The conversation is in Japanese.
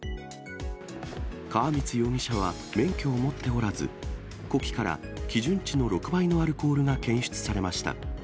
川満容疑者は免許を持っておらず、呼気から基準値の６倍のアルコールが検出されました。